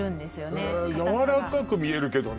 硬さがへえやわらかく見えるけどね